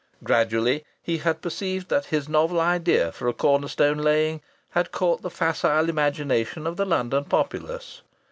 Gradually he had perceived that his novel idea for a corner stone laying had caught the facile imagination of the London populace.